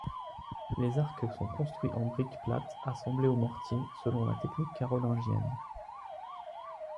Les arcs sont construits en briques plates assemblées au mortier, selon la technique carolingienne.